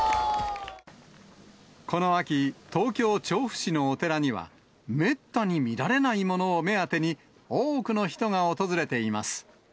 この秋、東京・調布市のお寺には、めったに見られないものを目当てに、多くの人が訪れています。